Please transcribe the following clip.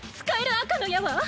使える赤の矢は？